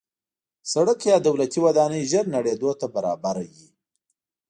سړک یا دولتي ودانۍ ژر نړېدو ته برابره وي.